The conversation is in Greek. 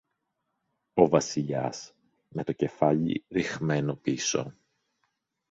Ο Βασιλιάς, με το κεφάλι ριχμένο πίσω